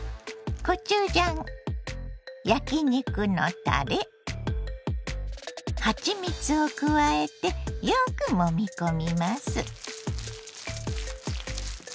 コチュジャン焼き肉のたれはちみつを加えてよくもみ込みます。